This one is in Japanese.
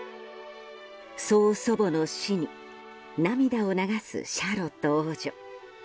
曾祖母の死に涙を流すシャーロット王女。